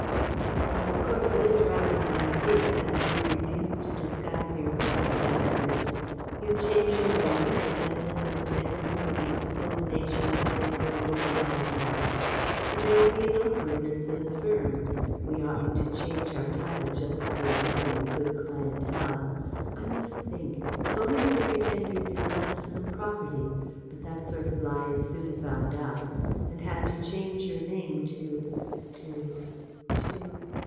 "Of course it is rather an idea, as you refuse to disguise yourself by marriage. You'd change your name and then listen with equanimity to fulminations against the Warren Hotels. But there would be an awkwardness in the firm. We oughtn't to change our title just as we are getting a good clientèle.... I must think ... If only we could pretend you'd been left some property but that sort of lie is soon found out! and had to change your name to to to.